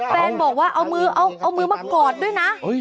แฟนบอกว่าเอามือมากอดด้วยนะ